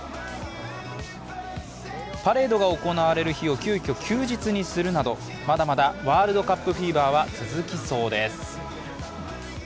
パレードが行われる日を急きょ休日にするなど、まだまだワールドカップフィーバーは続きそうです。